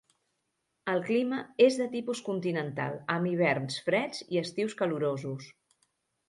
El clima és de tipus continental, amb hiverns freds i estius calorosos.